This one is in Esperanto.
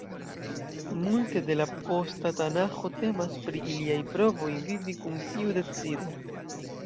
Multe da la posta Tanaĥo temas pri iliaj provoj vivi kun tiu decido.